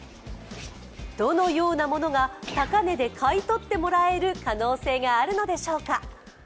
どのようなものが高値で買い取ってもらえる可能性があるのでしょうか。